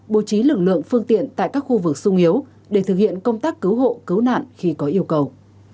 bố trí lực lượng phương tiện tại các khu vực sung yếu để thực hiện công tác cứu hộ cứu nạn khi có yêu cầu